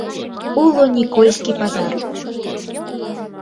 Уло Никольский пазар.